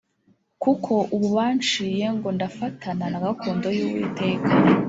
kuko ubu banciye ngo ndafatana na gakondo y’Uwiteka